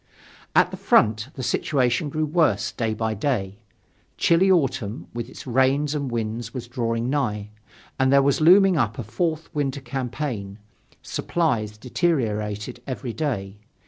At the front, the situation grew worse day by day. Chilly autumn, with its rains and winds, was drawing nigh. And there was looming up a fourth winter campaign. Supplies deteriorated every day.